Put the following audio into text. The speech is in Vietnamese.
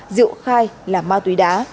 diệu khai là ma túy đá